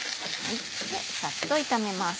サッと炒めます。